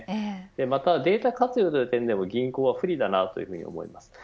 またデータ活用という点でも銀行は不利だと思います。